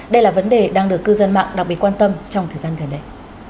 đây là vấn đề đang được cư dân mạng đặc biệt quan tâm trong thời gian gần đây